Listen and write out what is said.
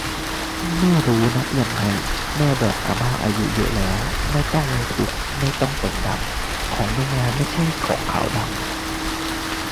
ไม่รู้นับยังไง แม่บอกอาม่าอายุเยอะแล้ว ไม่ต้องไว้ทุกข์ ไม่ต้องแต่งดำของในงานไม่ใช้ขาวดำ